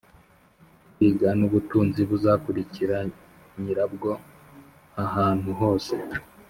kwiga nubutunzi buzakurikira nyirabwo ahantu hose